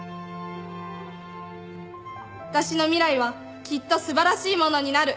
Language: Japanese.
「私の未来はきっと素晴らしいものになる」